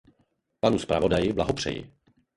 Panu zpravodaji blahopřeji.